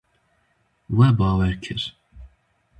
We bawer kir.